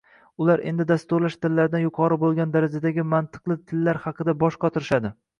Ular endi dasturlash tillaridan yuqori bo’lgan darajadagi mantiqli tillar haqida bosh qotirishadi